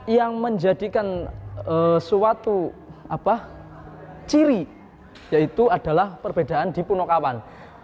yang menjadikan suatu ciri yaitu adalah perbedaan di punokawan